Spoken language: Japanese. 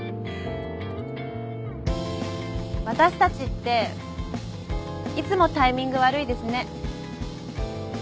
私たちっていつもタイミング悪いですね。